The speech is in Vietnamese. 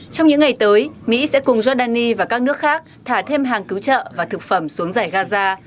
trong những ngày tới mỹ sẽ cùng giordani và các nước khác thả thêm hàng cứu trợ và thực phẩm xuống giải gaza